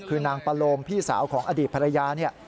คือนางปะโลมพี่สาวของอดีตภรรยาเนี่ย